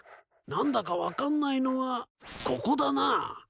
何だか分かんないのはここだな。